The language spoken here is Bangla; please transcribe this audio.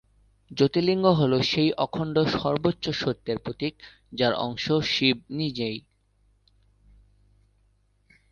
জ্যোতির্লিঙ্গ হল সেই অখণ্ড সর্বোচ্চ সত্যের প্রতীক, যার অংশ শিব নিজে।